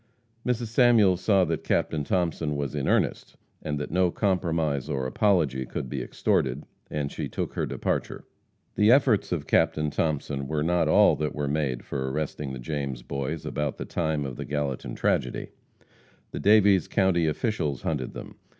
Mrs. Samuels saw that Captain Thomason was in earnest, and that no compromise or apology could be extorted, and she took her departure. The efforts of Captain Thomason were not all that were made for arresting the James boys about the time of the Gallatin tragedy. The Daviess county officials hunted them.